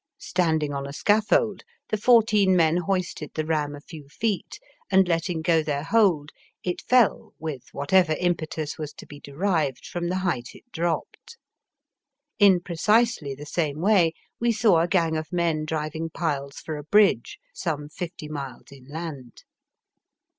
Standing on a scaffold, the fourteen men hoisted the ram a few feet, and letting go their hold, it fell with whatever impetus was to be derived from the height it dropped. In precisely the same way we saw a gang of men driving piles for a bridge some fifty miles inland.